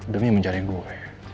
demi mencari gue